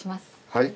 はい。